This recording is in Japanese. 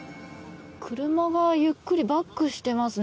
車がゆっくりバックしてますね。